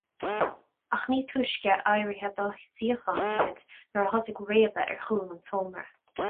Ach ní túisce éirithe dá suíochán iad nuair a thosaigh réabadh ar chúl an tseomra.